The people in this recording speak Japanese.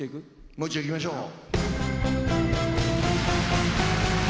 もう一丁いきましょう。